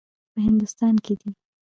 په هندوستان کې دی.